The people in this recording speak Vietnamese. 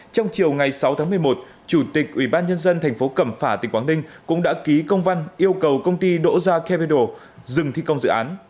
trong chiều ngày sáu tháng một mươi một chủ tịch ủy ban nhân dân thành phố cẩm phả tỉnh quảng ninh cũng đã ký công văn yêu cầu công ty doja capital dừng thi công dự án